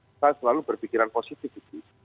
kita selalu berpikiran positif